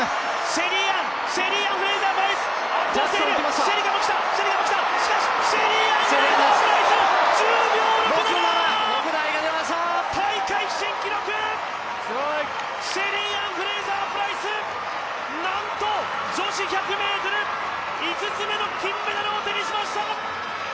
シェリーアン・フレイザー・プライス、なんと女子１００ｍ、５つ目の金メダルを手にしました！